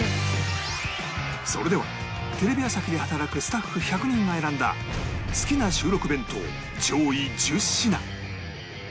それではテレビ朝日で働くスタッフ１００人が選んだ好きな収録弁当上位１０品